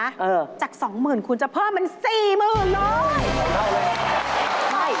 แต่ถ้ามาถูกไหมนะจากสองหมื่นคุณจะเพิ่มเป็นสี่หมื่นเลย